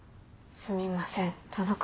すみません田中